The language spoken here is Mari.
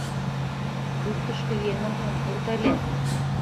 Суртышко еҥым ом пурто ыле.